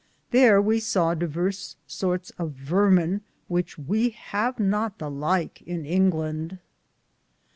Thare we saw diverse sortes of varmen, which we have not the like in Inglande.